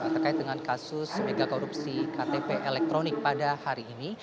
terkait dengan kasus megakorupsi ktp elektronik pada hari ini